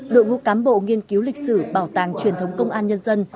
đội ngũ cán bộ nghiên cứu lịch sử bảo tàng truyền thống công an nhân dân